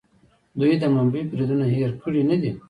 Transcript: دوی د ممبۍ بریدونه هیر کړي نه دي.